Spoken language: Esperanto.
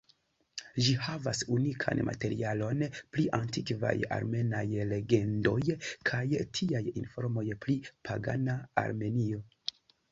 Ĝi havas unikan materialon pri antikvaj armenaj legendoj, kaj tiaj informoj pri pagana Armenio.